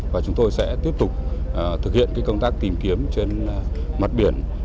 và chúng tôi sẽ tiếp tục thực hiện công tác tìm kiếm trên mặt biển